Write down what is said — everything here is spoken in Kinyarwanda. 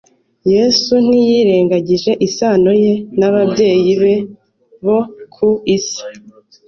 Yesu ntiyirengagije isano Ye n'ababyeyi be bo ku isi